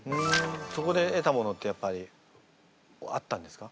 そこで得たものってやっぱりあったんですか？